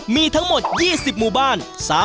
มีทั้งหมด๒๐หมู่บ้าน